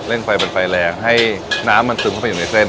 ไฟมันไฟแรงให้น้ำมันซึมเข้าไปอยู่ในเส้น